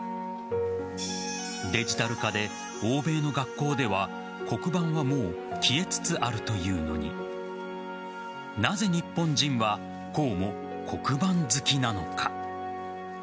デジタル化で欧米の学校では黒板はもう消えつつあるというのになぜ日本人はこうも黒板好きなのか。